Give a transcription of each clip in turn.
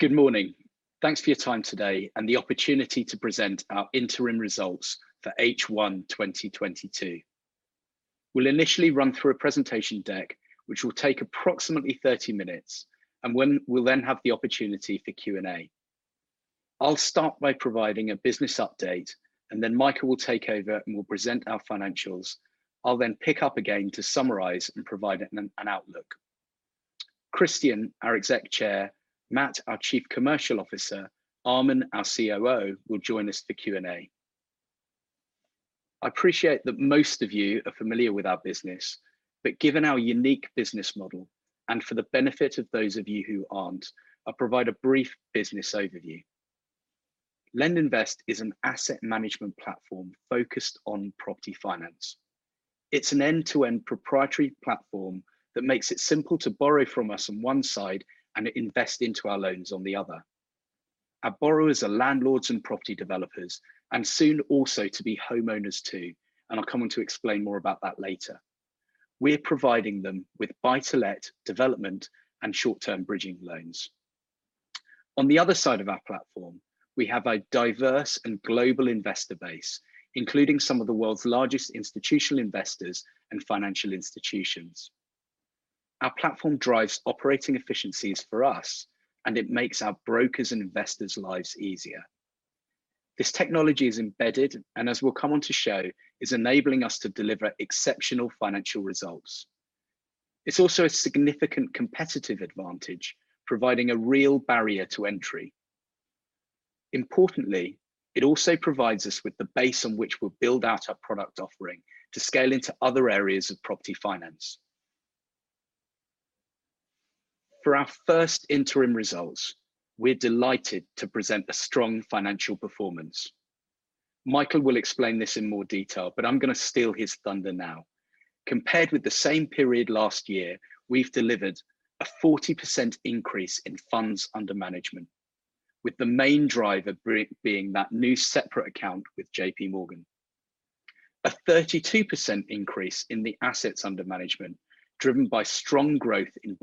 Good morning. Thanks for your time today and the opportunity to present our interim results for H1 2022. We'll initially run through a presentation deck which will take approximately 30 minutes and when we'll then have the opportunity for Q&A. I'll start by providing a business update and then Michael will take over and will present our financials. I'll then pick up again to summarize and provide an outlook. Christian, our Exec Chair, Matt, our Chief Commercial Officer, Arman, our COO, will join us for Q&A. I appreciate that most of you are familiar with our business, but given our unique business model, and for the benefit of those of you who aren't, I'll provide a brief business overview. LendInvest is an asset management platform focused on property finance. It's an end-to-end proprietary platform that makes it simple to borrow from us on one side and invest into our loans on the other. Our borrowers are landlords and property developers and soon also to be homeowners too, and I'll come on to explain more about that later. We're providing them with buy-to-let development and short-term bridging loans. On the other side of our platform, we have a diverse and global investor base, including some of the world's largest institutional investors and financial institutions. Our platform drives operating efficiencies for us and it makes our brokers' and investors' lives easier. This technology is embedded and as we'll come on to show, is enabling us to deliver exceptional financial results. It's also a significant competitive advantage providing a real barrier to entry. Importantly, it also provides us with the base on which we'll build out our product offering to scale into other areas of property finance. For our first interim results, we're delighted to present a strong financial performance. Michael will explain this in more detail, but I'm gonna steal his thunder now. Compared with the same period last year, we've delivered a 40% increase in funds under management, with the main driver being that new separate account with JPMorgan. A 32% increase in the assets under management driven by strong growth in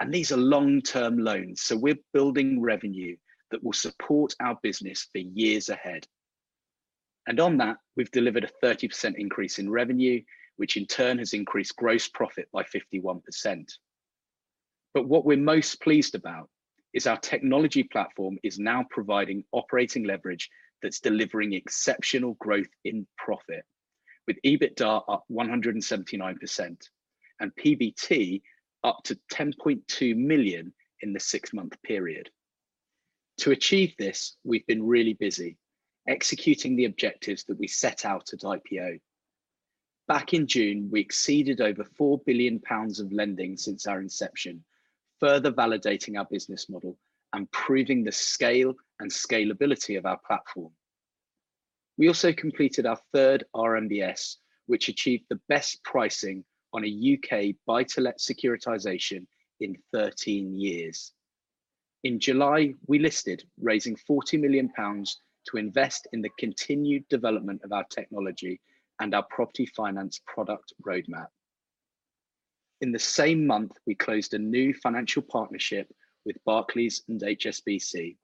buy-to-let. These are long-term loans, so we're building revenue that will support our business for years ahead. On that, we've delivered a 30% increase in revenue which in turn has increased gross profit by 51%. What we're most pleased about is our technology platform is now providing operating leverage that's delivering exceptional growth in profit with EBITDA up 179% and PBT up to 10.2 million in the six-month period. To achieve this, we've been really busy executing the objectives that we set out at IPO. Back in June, we exceeded over 4 billion pounds of lending since our inception, further validating our business model and proving the scale and scalability of our platform. We also completed our third RMBS, which achieved the best pricing on a U.K. buy-to-let securitisation in 13 years. In July, we listed raising 40 million pounds to invest in the continued development of our technology and our property finance product roadmap. In the same month, we closed a new financial partnership with Barclays and HSBC,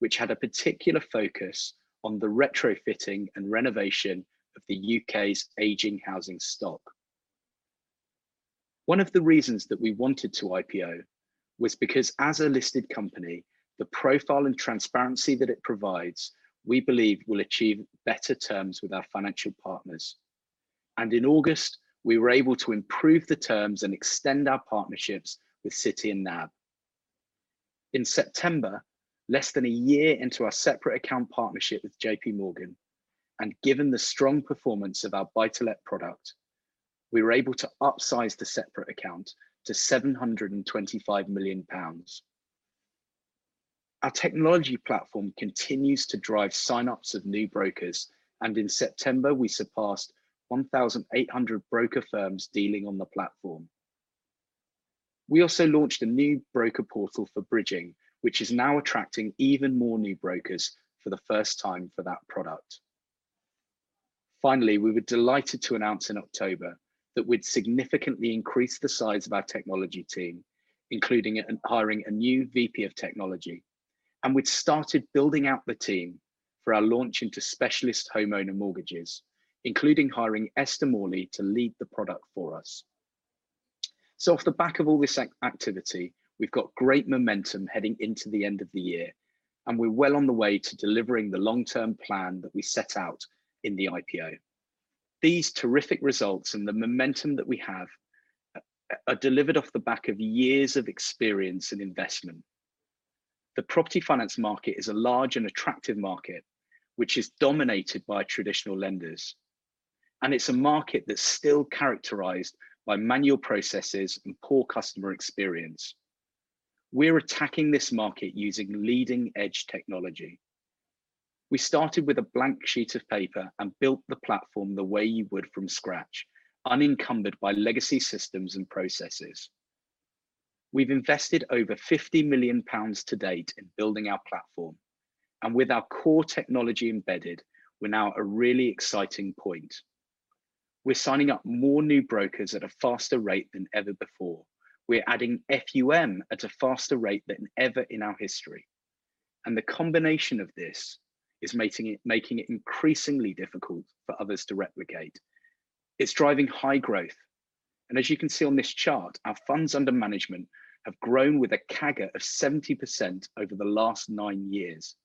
which had a particular focus on the retrofitting and renovation of the U.K.'s aging housing stock. One of the reasons that we wanted to IPO was because as a listed company, the profile and transparency that it provides, we believe will achieve better terms with our financial partners. In August, we were able to improve the terms and extend our partnerships with Citi and NAB. In September, less than a year into our separate account partnership with JPMorgan, and given the strong performance of our buy-to-let product, we were able to upsize the separate account to 725 million pounds. Our technology platform continues to drive sign-ups of new brokers, and in September we surpassed 1,800 broker firms dealing on the platform. We also launched a new broker portal for bridging which is now attracting even more new brokers for the first time for that product. Finally, we were delighted to announce in October that we'd significantly increased the size of our technology team, including hiring a new VP of Technology. We'd started building out the team for our launch into specialist homeowner mortgages, including hiring Esther Morley to lead the product for us. Off the back of all this activity, we've got great momentum heading into the end of the year, and we're well on the way to delivering the long-term plan that we set out in the IPO. These terrific results and the momentum that we have delivered off the back of years of experience and investment. The property finance market is a large and attractive market which is dominated by traditional lenders, and it's a market that's still characterized by manual processes and poor customer experience. We're attacking this market using leading-edge technology. We started with a blank sheet of paper and built the platform the way you would from scratch, unencumbered by legacy systems and processes. We've invested over 50 million pounds to date in building our platform and with our core technology embedded, we're now at a really exciting point. We're signing up more new brokers at a faster rate than ever before. We're adding FUM at a faster rate than ever in our history. The combination of this is making it increasingly difficult for others to replicate. It's driving high growth, and as you can see on this chart, our funds under management have grown with a CAGR of 70% over the last nine years,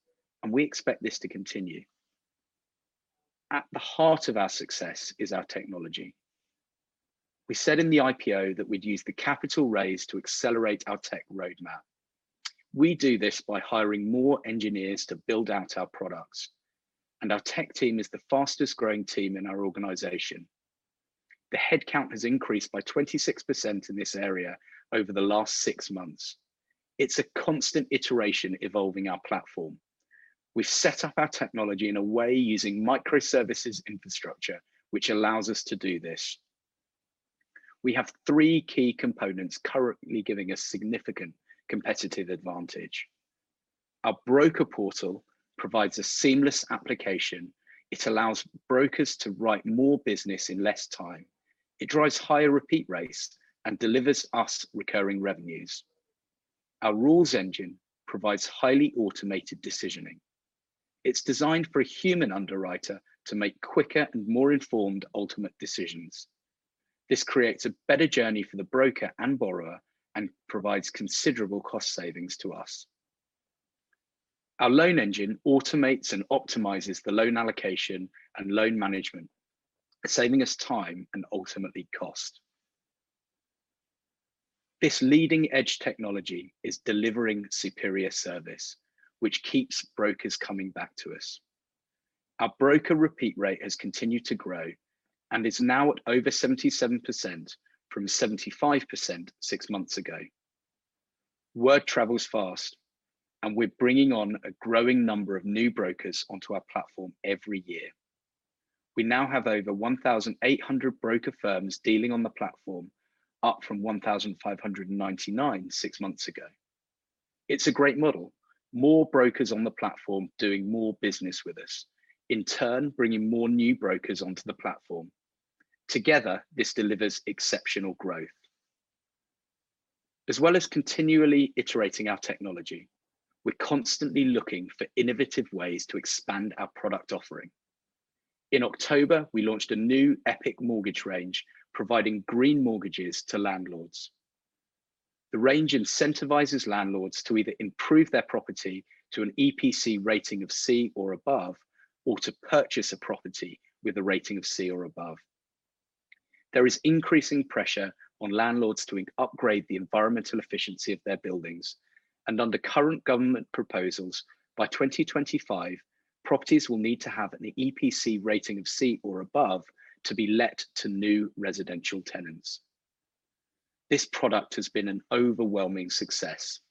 and we expect this to continue. At the heart of our success is our technology. We said in the IPO that we'd use the capital raise to accelerate our tech roadmap. We do this by hiring more engineers to build out our products, and our tech team is the fastest growing team in our organization. The headcount has increased by 26% in this area over the last six months. It's a constant iteration evolving our platform. We've set up our technology in a way using microservices infrastructure which allows us to do this. We have three key components currently giving us significant competitive advantage. Our broker portal provides a seamless application. It allows brokers to write more business in less time. It drives higher repeat rates and delivers us recurring revenues. Our rules engine provides highly automated decisioning. It's designed for a human underwriter to make quicker and more informed ultimate decisions. This creates a better journey for the broker and borrower and provides considerable cost savings to us. Our loan engine automates and optimizes the loan allocation and loan management, saving us time and ultimately cost. This leading-edge technology is delivering superior service, which keeps brokers coming back to us. Our broker repeat rate has continued to grow and is now at over 77% from 75% six months ago. Word travels fast, and we're bringing on a growing number of new brokers onto our platform every year. We now have over 1,800 broker firms dealing on the platform, up from 1,599 six months ago. It's a great model. More brokers on the platform doing more business with us, in turn, bringing more new brokers onto the platform. Together, this delivers exceptional growth. As well as continually iterating our technology, we're constantly looking for innovative ways to expand our product offering. In October, we launched a new EPiC mortgage range providing green mortgages to landlords. The range incentivizes landlords to either improve their property to an EPC rating of C or above, or to purchase a property with a rating of C or above. There is increasing pressure on landlords to upgrade the environmental efficiency of their buildings, and under current government proposals, by 2025, properties will need to have an EPC rating of C or above to be let to new residential tenants. This product has been an overwhelming success.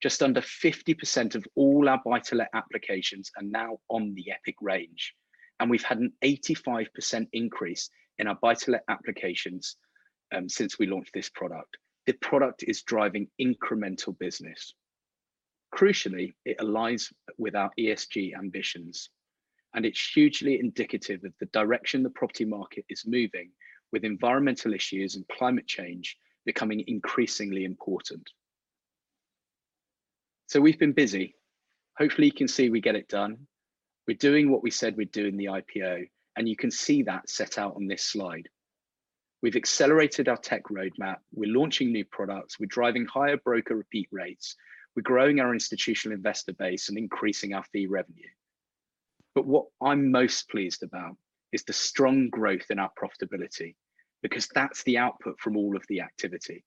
Just under 50% of all our buy-to-let applications are now on the EPiC range, and we've had an 85% increase in our buy-to-let applications since we launched this product. The product is driving incremental business. Crucially, it aligns with our ESG ambitions, and it's hugely indicative of the direction the property market is moving with environmental issues and climate change becoming increasingly important. We've been busy. Hopefully, you can see we get it done. We're doing what we said we'd do in the IPO, and you can see that set out on this slide. We've accelerated our tech roadmap. We're launching new products. We're driving higher broker repeat rates. We're growing our institutional investor base and increasing our fee revenue. But what I'm most pleased about is the strong growth in our profitability because that's the output from all of the activity.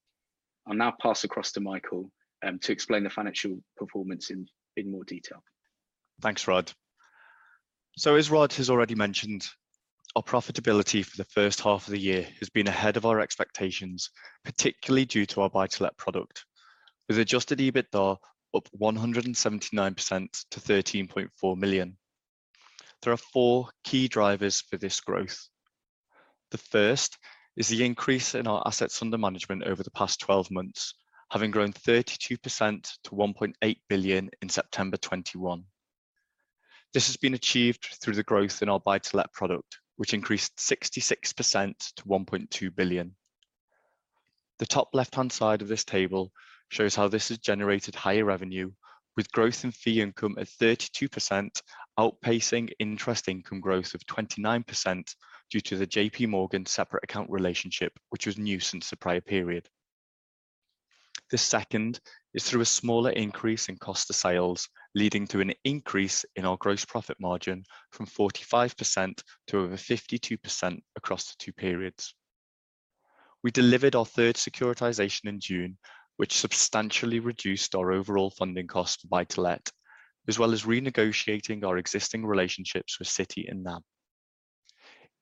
I'll now pass across to Michael to explain the financial performance in more detail. Thanks, Rod. As Rod has already mentioned, our profitability for the first half of the year has been ahead of our expectations, particularly due to our buy-to-let product, with adjusted EBITDA up 179% to 13.4 million. There are four key drivers for this growth. The first is the increase in our assets under management over the past 12 months, having grown 32% to 1.8 billion in September 2021. This has been achieved through the growth in our buy-to-let product, which increased 66% to 1.2 billion. The top left-hand side of this table shows how this has generated higher revenue with growth in fee income at 32% outpacing interest income growth of 29% due to the JPMorgan separate account relationship which was new since the prior period. The second is through a smaller increase in cost of sales, leading to an increase in our gross profit margin from 45% to over 52% across the two periods. We delivered our third securitization in June 2022, which substantially reduced our overall funding cost for buy-to-let, as well as renegotiating our existing relationships with Citi and NAB.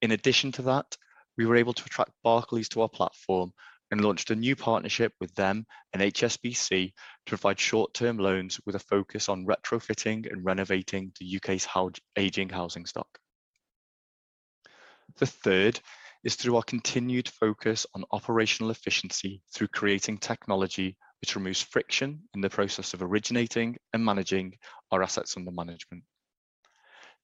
In addition to that, we were able to attract Barclays to our platform and launched a new partnership with them and HSBC to provide short-term loans with a focus on retrofitting and renovating the U.K.'s aging housing stock. The third is through our continued focus on operational efficiency through creating technology which removes friction in the process of originating and managing our assets under management.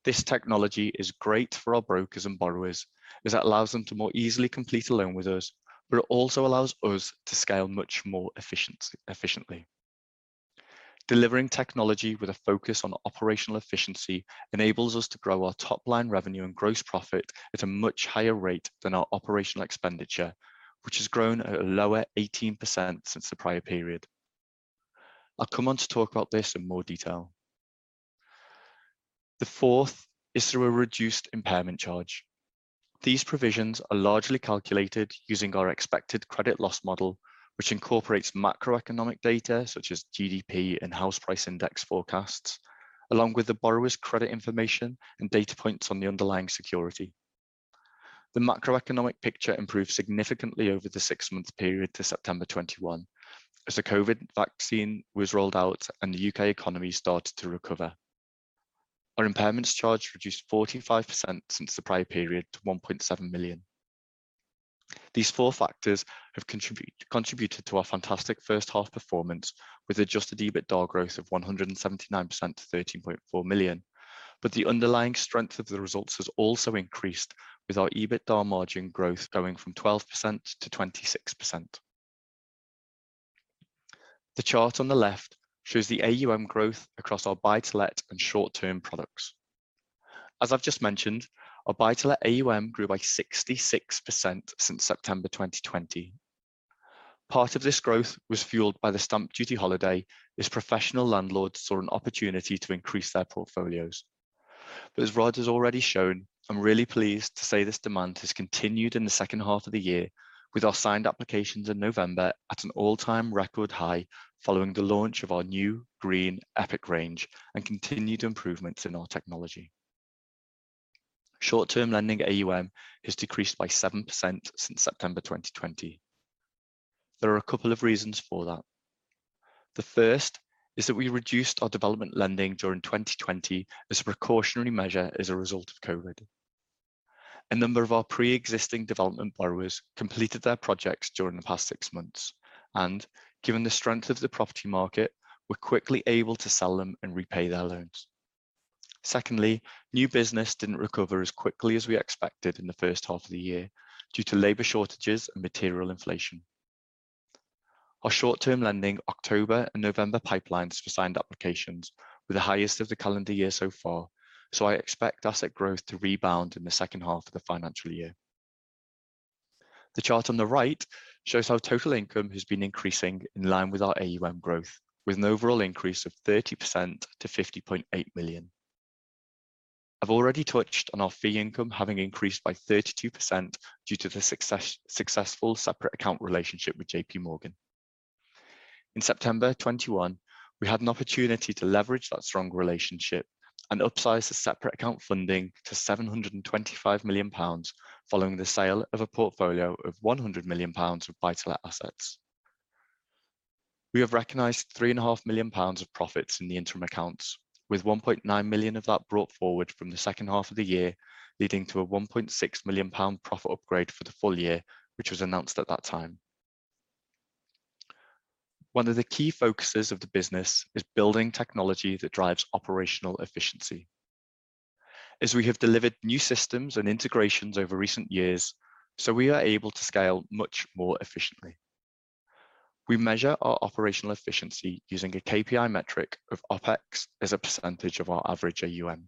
This technology is great for our brokers and borrowers as it allows them to more easily complete a loan with us, but it also allows us to scale much more efficiently. Delivering technology with a focus on operational efficiency enables us to grow our top line revenue and gross profit at a much higher rate than our operational expenditure, which has grown at a lower 18% since the prior period. I'll come on to talk about this in more detail. The fourth is through a reduced impairment charge. These provisions are largely calculated using our expected credit loss model, which incorporates macroeconomic data such as GDP and house price index forecasts, along with the borrower's credit information and data points on the underlying security. The macroeconomic picture improved significantly over the six-month period to September 2021 as the COVID vaccine was rolled out and the U.K. economy started to recover. Our impairments charge reduced 45% since the prior period to 1.7 million. These four factors have contributed to our fantastic first half performance with adjusted EBITDA growth of 179% to 13.4 million. The underlying strength of the results has also increased with our EBITDA margin growth going from 12%-26%. The chart on the left shows the AUM growth across our buy-to-let and short-term products. As I've just mentioned, our buy-to-let AUM grew by 66% since September 2020. Part of this growth was fueled by the stamp duty holiday as professional landlords saw an opportunity to increase their portfolios. As Rod has already shown, I'm really pleased to say this demand has continued in the second half of the year with our signed applications in November at an all-time record high following the launch of our new green EPiC range and continued improvements in our technology. Short-term lending AUM has decreased by 7% since September 2020. There are a couple of reasons for that. The first is that we reduced our development lending during 2020 as a precautionary measure as a result of COVID. A number of our preexisting development borrowers completed their projects during the past six months, and given the strength of the property market, were quickly able to sell them and repay their loans. Secondly, new business didn't recover as quickly as we expected in the first half of the year due to labor shortages and material inflation. Our short-term lending October and November pipelines for signed applications were the highest of the calendar year so far, so I expect asset growth to rebound in the second half of the financial year. The chart on the right shows how total income has been increasing in line with our AUM growth, with an overall increase of 30% to 50.8 million. I've already touched on our fee income having increased by 32% due to the successful separate account relationship with JPMorgan. In September 2021, we had an opportunity to leverage that strong relationship and upsize the separate account funding to 725 million pounds following the sale of a portfolio of 100 million pounds of buy-to-let assets. We have recognized 3.5 million pounds of profits in the interim accounts, with 1.9 million of that brought forward from the second half of the year, leading to a 1.6 million pound profit upgrade for the full year, which was announced at that time. One of the key focuses of the business is building technology that drives operational efficiency. As we have delivered new systems and integrations over recent years, so we are able to scale much more efficiently. We measure our operational efficiency using a KPI metric of OpEx as a percentage of our average AUM.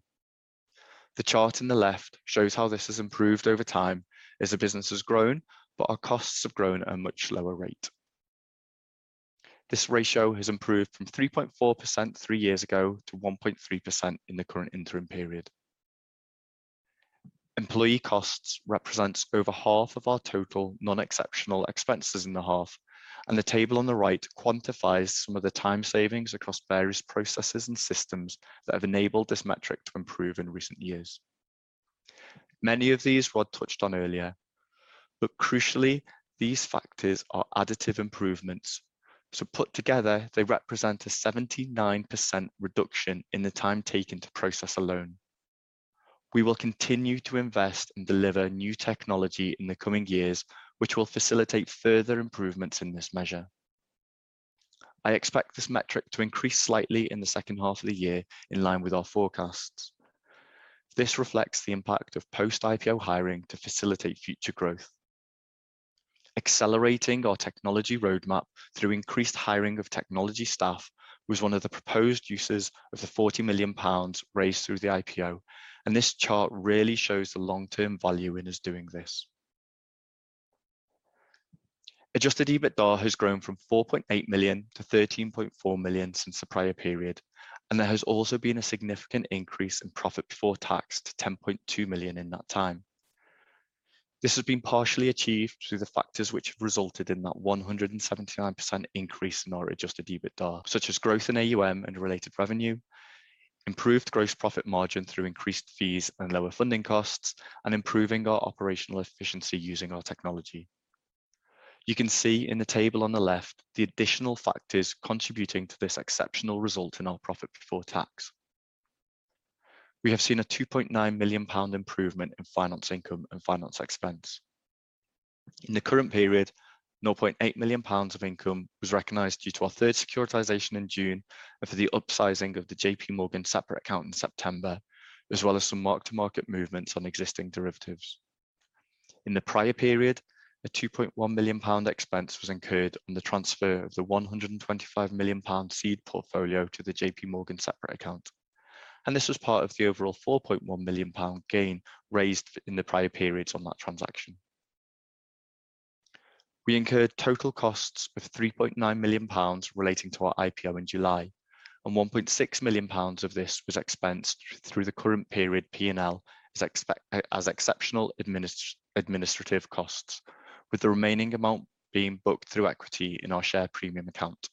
The chart on the left shows how this has improved over time as the business has grown, but our costs have grown at a much lower rate. This ratio has improved from 3.4% three years ago to 1.3% in the current interim period. Employee costs represents over half of our total non-exceptional expenses in the half, and the table on the right quantifies some of the time savings across various processes and systems that have enabled this metric to improve in recent years. Many of these Rod touched on earlier, but crucially, these factors are additive improvements, so put together they represent a 79% reduction in the time taken to process a loan. We will continue to invest and deliver new technology in the coming years, which will facilitate further improvements in this measure. I expect this metric to increase slightly in the second half of the year in line with our forecasts. This reflects the impact of post-IPO hiring to facilitate future growth. Accelerating our technology roadmap through increased hiring of technology staff was one of the proposed uses of the 40 million pounds raised through the IPO, and this chart really shows the long-term value in us doing this. Adjusted EBITDA has grown from 4.8 million to 13.4 million since the prior period, and there has also been a significant increase in profit before tax to 10.2 million in that time. This has been partially achieved through the factors which have resulted in that 179% increase in our adjusted EBITDA, such as growth in AUM and related revenue, improved gross profit margin through increased fees and lower funding costs, and improving our operational efficiency using our technology. You can see in the table on the left the additional factors contributing to this exceptional result in our profit before tax. We have seen a 2.9 million pound improvement in finance income and finance expense. In the current period, 0.8 million pounds of income was recognized due to our third securitization in June and for the upsizing of the JPMorgan separate account in September, as well as some mark-to-market movements on existing derivatives. In the prior period, a 2.1 million pound expense was incurred on the transfer of the 125 million pound seed portfolio to the JPMorgan separate account. This was part of the overall 4.1 million pound gain raised in the prior periods on that transaction. We incurred total costs of 3.9 million pounds relating to our IPO in July, and 1.6 million pounds of this was expensed through the current period P&L as exceptional administrative costs, with the remaining amount being booked through equity in our share premium account.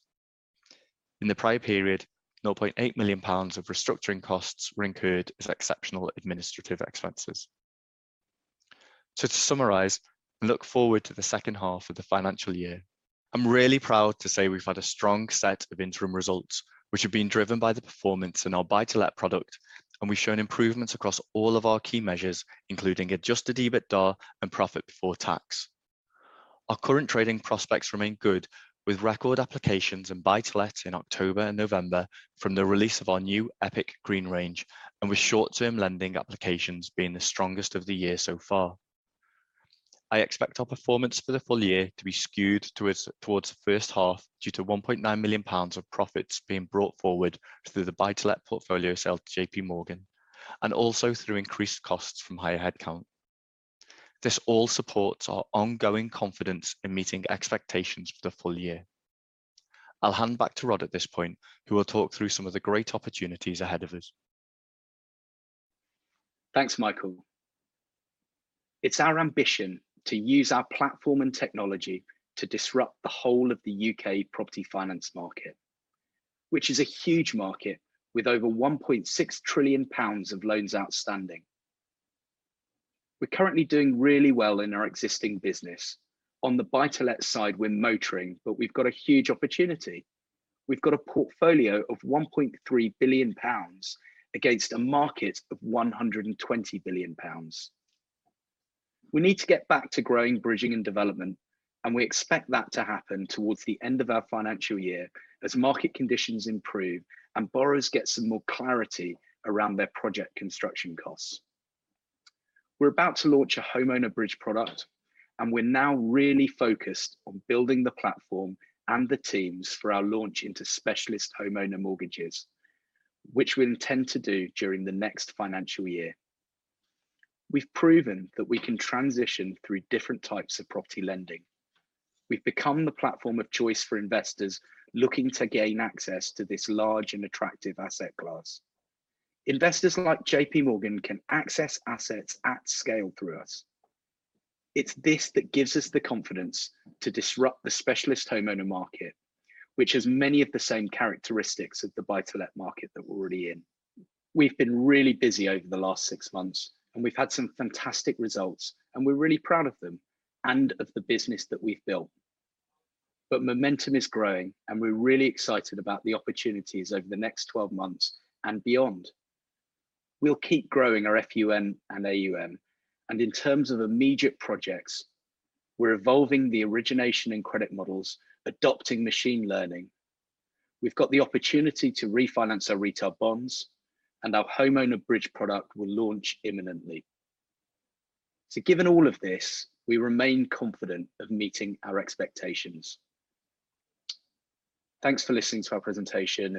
In the prior period, 0.8 million pounds of restructuring costs were incurred as exceptional administrative expenses. To summarize and look forward to the second half of the financial year, I'm really proud to say we've had a strong set of interim results, which have been driven by the performance in our buy-to-let product, and we've shown improvements across all of our key measures, including adjusted EBITDA and profit before tax. Our current trading prospects remain good, with record applications in buy-to-let in October and November from the release of our new EPiC range, and with short-term lending applications being the strongest of the year so far. I expect our performance for the full year to be skewed towards the first half, due to 1.9 million pounds of profits being brought forward through the buy-to-let portfolio sale to JPMorgan, and also through increased costs from higher headcount. This all supports our ongoing confidence in meeting expectations for the full year. I'll hand back to Rod at this point, who will talk through some of the great opportunities ahead of us. Thanks, Michael. It's our ambition to use our platform and technology to disrupt the whole of the U.K. property finance market, which is a huge market with over 1.6 trillion pounds of loans outstanding. We're currently doing really well in our existing business. On the buy-to-let side, we're motoring, but we've got a huge opportunity. We've got a portfolio of 1.3 billion pounds against a market of 120 billion pounds. We need to get back to growing, bridging, and development, and we expect that to happen towards the end of our financial year as market conditions improve and borrowers get some more clarity around their project construction costs. We're about to launch a homeowner bridge product, and we're now really focused on building the platform and the teams for our launch into specialist homeowner mortgages, which we intend to do during the next financial year. We've proven that we can transition through different types of property lending. We've become the platform of choice for investors looking to gain access to this large and attractive asset class. Investors like JPMorgan can access assets at scale through us. It's this that gives us the confidence to disrupt the specialist homeowner market, which has many of the same characteristics of the buy-to-let market that we're already in. We've been really busy over the last six months, and we've had some fantastic results, and we're really proud of them and of the business that we've built. Momentum is growing, and we're really excited about the opportunities over the next 12 months and beyond. We'll keep growing our FUM and AUM. In terms of immediate projects, we're evolving the origination and credit models, adopting machine learning. We've got the opportunity to refinance our retail bonds and our homeowner bridge product will launch imminently. Given all of this, we remain confident of meeting our expectations. Thanks for listening to our presentation.